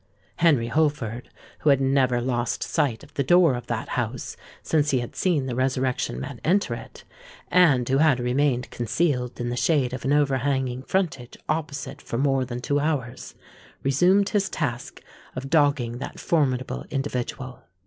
Henry Holford, who had never lost sight of the door of that house since he had seen the Resurrection Man enter it, and who had remained concealed in the shade of an overhanging frontage opposite for more than two hours, resumed his task of dogging that formidable individual.